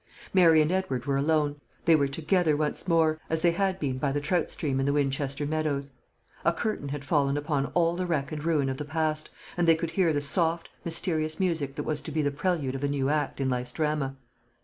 Mary and Edward were alone; they were together once more, as they had been by the trout stream in the Winchester meadows. A curtain had fallen upon all the wreck and ruin of the past, and they could hear the soft, mysterious music that was to be the prelude of a new act in life's drama.